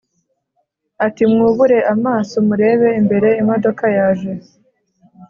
ati mwubure amaso murebe imbere imodoka yaje